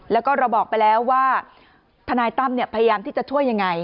แล้วก็เราบอกไปแล้วว่าทนายตั้มพยายามที่จะช่วยยังไง